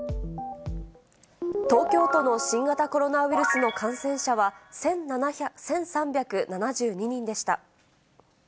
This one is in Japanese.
東京都の新型コロナの感染者は１３７２人でした。